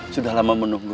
sudah lama menunggu